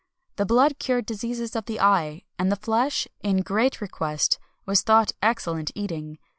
[XXI 256] The blood cured diseases of the eye,[XXI 257] and the flesh in great request was thought excellent eating.